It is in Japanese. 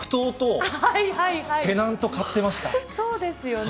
そうですよね。